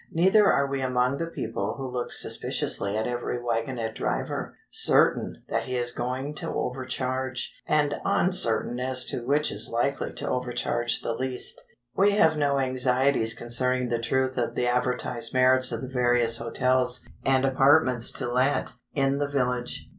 Neither are we among the people who look suspiciously at every wagonette driver, certain that he is going to overcharge, and uncertain as to which is likely to overcharge the least. We have no anxieties concerning the truth of the advertised merits of the various hotels, and apartments to let, in the village.